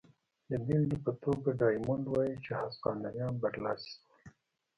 د بېلګې په توګه ډایمونډ وايي چې هسپانویان برلاسي شول.